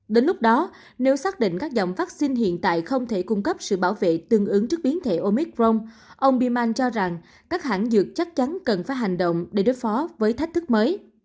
đến lúc đó nếu xác định các dòng vaccine hiện tại không thể cung cấp sự bảo vệ tương ứng trước biến thể omicron ông bilman cho rằng các hãng dược chắc chắn cần phải hành động để đối phó với thách thức mới